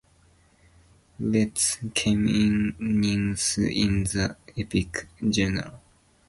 "Reds" came in ninth in the epic genre.